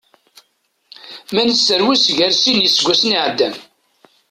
Ma neserwes gar sin n yiseggasen iɛeddan.